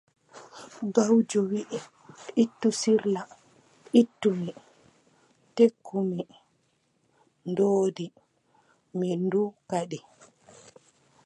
Gawjo wii, ittu sirla ittu mi, tekku mi ndoodi mi ndu kadi.